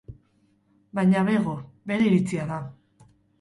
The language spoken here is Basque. Baina bego, bere iritzia da.